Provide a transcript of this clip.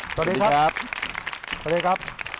สวัสดีครับ